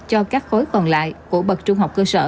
cho các khối còn lại của bậc trung học cơ sở